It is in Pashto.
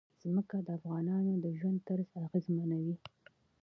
ځمکه د افغانانو د ژوند طرز اغېزمنوي.